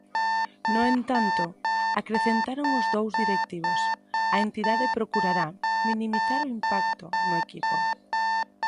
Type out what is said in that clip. No entanto, acrecentaron os dous directivos, a entidade procurará "minimizar o impacto" no equipo.